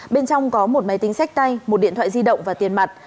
bên trong có một máy tính sách tay một điện thoại di động và tiền mặt